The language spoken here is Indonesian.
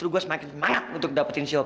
kok gue yang gak niat sholat sih